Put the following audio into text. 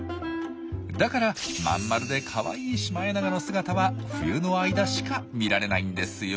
だからまん丸でかわいいシマエナガの姿は冬の間しか見られないんですよ。